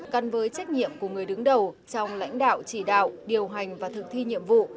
cắn với trách nhiệm của người đứng đầu trong lãnh đạo chỉ đạo điều hành và thực thi nhiệm vụ